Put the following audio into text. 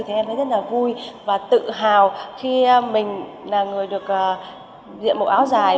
thì em thấy rất là vui và tự hào khi mình là người được diễn một áo dài